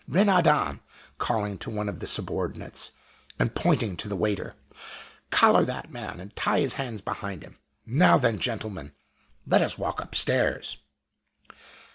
Renaudin! (calling to one of the subordinates, and pointing to the waiter) collar that man and tie his hands behind him. Now, then, gentlemen, let us walk upstairs!"